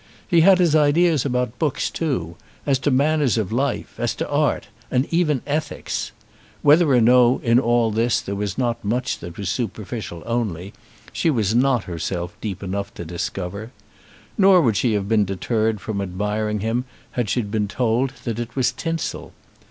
He had his ideas about books too, as to manners of life, as to art, and even ethics. Whether or no in all this there was not much that was superficial only, she was not herself deep enough to discover. Nor would she have been deterred from admiring him had she been told that it was tinsel.